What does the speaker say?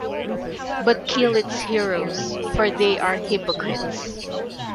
But kill its heroes for they are hypocrites.